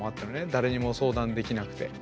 誰にも相談できなくて。